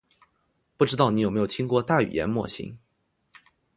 不知道你有没有听过大语言模型？